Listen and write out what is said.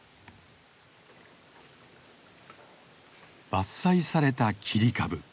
伐採された切り株。